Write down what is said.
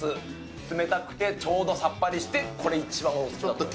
冷たくてちょうどさっぱりして、これ一番お好きかと。